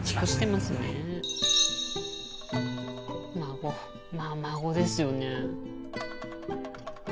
まあ孫ですよね。